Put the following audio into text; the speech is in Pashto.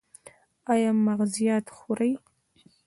ایا مغزيات خورئ؟